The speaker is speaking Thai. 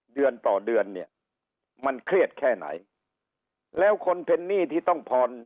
เดือนต่อเดือนเนี่ยมันเครียดแค่ไหนแล้วคนเป็นหนี้ที่ต้องผ่อน